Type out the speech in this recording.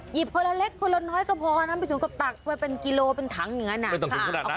หยิบคนละเล็กคนละน้อยก็พอนั้นไปถึงกระตักไปกรีโลเป็นถังอย่างนี้นะคะ